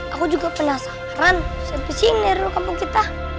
aku juga penasaran siapa siapa yang nyeru kampung kita